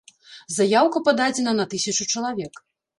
Заяўка пададзена на тысячу чалавек.